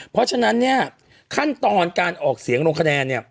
เพราะฉะนั้นเนี่ยขั้นตอนการออกเสียงลงคะแนนเนี่ย